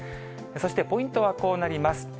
そしてポイントはこうなります。